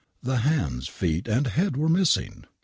, The hands, feet, and head were missing